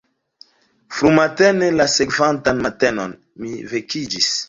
Frumatene la sekvantan matenon mi vekiĝis.